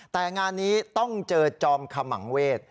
แต่งานนี้ต้องเจอจอมขมังเวศ